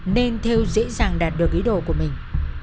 nên theo dễ dàng đạt được ý đồ của mình